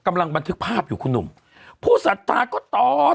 กำลังบันทึกภาพอยู่คุณหนุ่มผู้สัตว์ก็ตอด